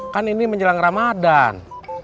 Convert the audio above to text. kan ini menjelang ramadan